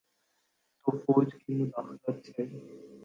تو فوج کی مداخلت سے۔